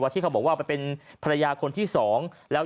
ที่เขาบอกว่าไปเป็นภรรยาคนที่สองแล้ว